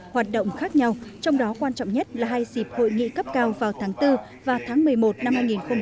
hoạt động khác nhau trong đó quan trọng nhất là hai dịp hội nghị cấp cao vào tháng bốn và tháng một mươi một năm hai nghìn hai mươi